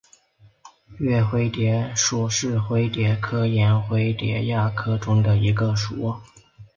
岳灰蝶属是灰蝶科眼灰蝶亚科中的一个属。